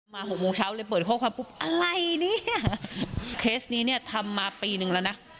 หกโมงเช้าเลยเปิดข้อความปุ๊บอะไรเนี่ยเคสนี้เนี่ยทำมาปีนึงแล้วนะ